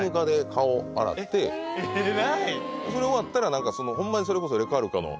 それ終わったらホンマにそれこそレカルカの。